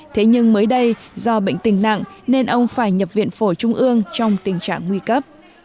thế nhưng mới đây do bệnh tình nặng nên ông phải nhập viện phổi trung ương trong tình trạng nguy cấp